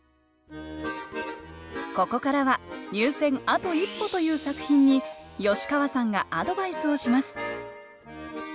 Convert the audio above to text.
ここからは入選あと一歩という作品に吉川さんがアドバイスをします